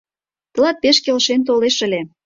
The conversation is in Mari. Тылат пеш келшен толеш ыле!